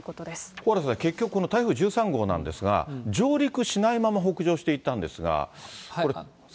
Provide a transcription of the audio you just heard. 蓬莱さん、この台風１３号なんですが、上陸しないまま北上していったんです